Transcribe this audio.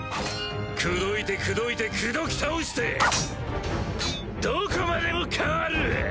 口説いて口説いて口説きたおしてどこまでも変わる！